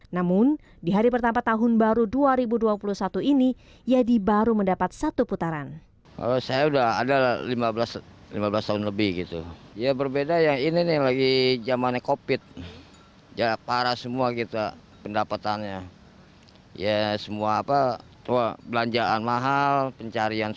namun di hari pertama tahun baru dua ribu dua puluh satu ini yadi baru mendapat satu putaran